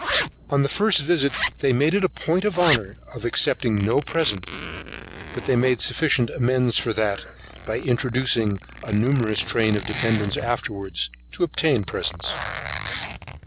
On the first visit they make it a point of honour of accepting of no present; but they make sufficient amends for that, by introducing a numerous train of dependents afterwards, to obtain presents.